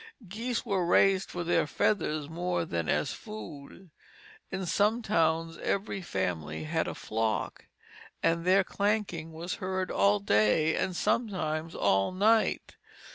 Geese were raised for their feathers more than as food. In some towns every family had a flock, and their clanking was heard all day and sometimes all night.